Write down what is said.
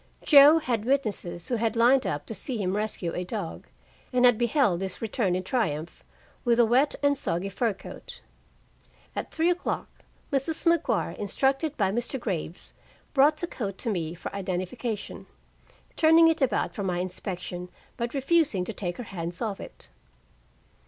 Joe had witnesses who had lined up to see him rescue a dog, and had beheld his return in triumph with a wet and soggy fur coat. At three o'clock Mrs. Maguire, instructed by Mr. Graves, brought the coat to me for identification, turning it about for my inspection, but refusing to take her hands off it.